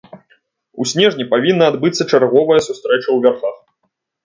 У снежні павінна адбыцца чарговая сустрэча ў вярхах.